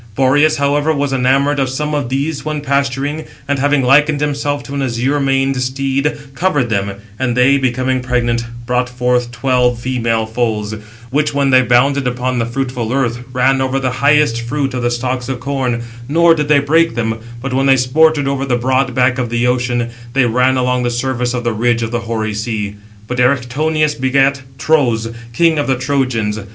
Boreas, however, was enamoured of some of these when pasturing, and having likened himself to an azure maned steed, covered them; and they, becoming pregnant, brought forth twelve female foals; which when they bounded upon the fruitful earth, ran over the highest fruit of the stalks of corn, nor did they break them: 653 but when they sported over the broad back of the ocean, they ran along the surface of the ridge of the hoary sea. But Erichthonius begat Tros, king of the Trojans.